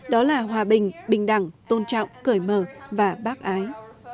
đó là hòa bình bình đẳng tôn trọng cởi mở và bác ái